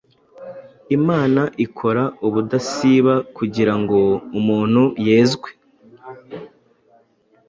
Imana ikora ubudasiba kugira ngo umuntu yezwe